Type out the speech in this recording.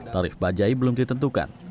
tarif bajaj belum ditentukan